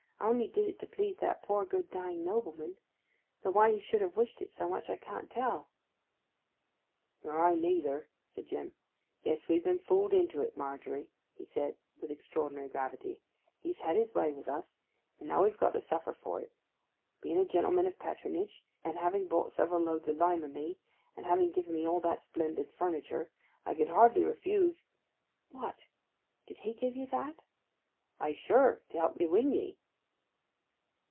I only did it to please that dear good dying nobleman—though why he should have wished it so much I can't tell!' 'Nor I neither,' said Jim. 'Yes, we've been fooled into it, Margery,' he said, with extraordinary gravity. 'He's had his way wi' us, and now we've got to suffer for it. Being a gentleman of patronage, and having bought several loads of lime o' me, and having given me all that splendid furniture, I could hardly refuse—' 'What, did he give you that?' 'Ay sure—to help me win ye.